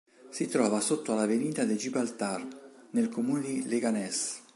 Si trova sotto alla Avenida de Gibraltar, nel comune di Leganés.